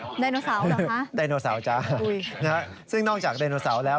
ดายโนเสาร์เหรอคะดายโนเสราจ้ะนะฮะซึ่งนอกจากดายโนเสราแล้ว